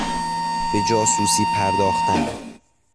به جاسوسی پرداختن